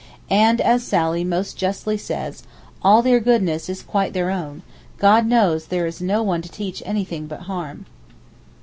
And as Sally most justly says, 'All their goodness is quite their own. God knows there is no one to teach anything but harm!